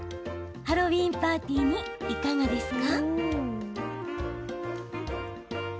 ハロウィーンパーティーにいかがですか？